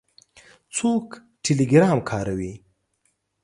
څوک ټیلیګرام کاروي؟